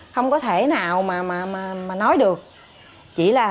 không ngờ là mình gặp được bố mẹ